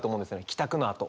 帰宅のあと